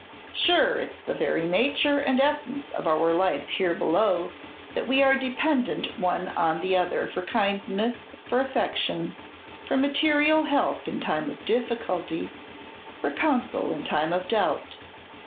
"Sure it's the very nature and essence of our life here below that we are dependent one on the other for kindness, for affection, for material help in time of difficulty, for counsel in time of doubt.